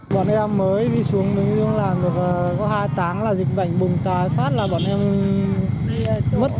bọn em mới đi xuống có hai tháng là dịch bệnh bùng tài phát là bọn em mất